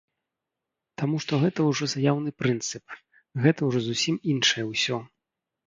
Таму што гэта ўжо заяўны прынцып, гэта ўжо зусім іншае ўсё.